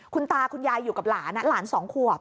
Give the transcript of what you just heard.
คุณตาคุณยายอยู่กับหลานหลาน๒ขวบ